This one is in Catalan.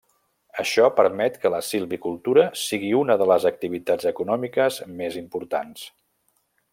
Això permet que la silvicultura sigui una de les activitats econòmiques més importants.